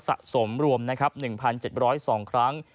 สะสมรวม๑๗๐๒ครั้ง